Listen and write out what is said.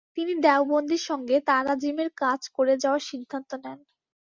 তিনি দেওবন্দির সঙ্গে তারাজিমের কাজ করে যাওয়ার সিদ্ধান্ত নেন।